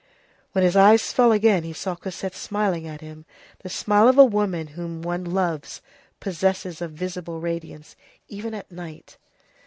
When his eyes fell again, he saw Cosette smiling at him. The smile of a woman whom one loves possesses a visible radiance, even at night.